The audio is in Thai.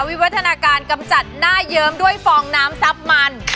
วิวัฒนาการกำจัดหน้าเยิ้มด้วยฟองน้ำซับมัน